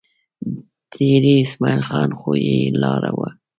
دېره اسمعیل خان خو یې لار وه.